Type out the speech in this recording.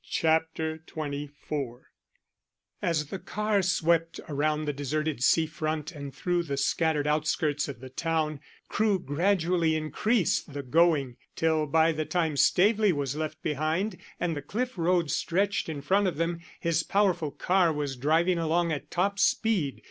CHAPTER XXIV AS the car swept around the deserted sea front and through the scattered outskirts of the town, Crewe gradually increased the going, till by the time Staveley was left behind, and the Cliff road stretched in front of them, his powerful car was driving along at top speed.